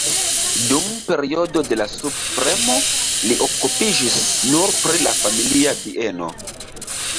Dum periodo de la subpremo li okupiĝis nur pri la familia bieno.